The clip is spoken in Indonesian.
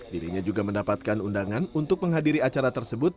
dirinya juga mendapatkan undangan untuk menghadiri acara tersebut